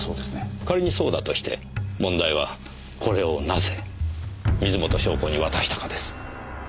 仮にそうだとして問題はこれをなぜ水元湘子に渡したかです。